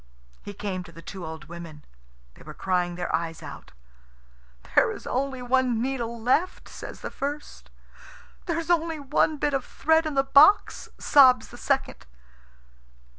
He came to the two old women. They were crying their eyes out. "There is only one needle left!" says the first. "There is only one bit of thread in the box!" sobs the second.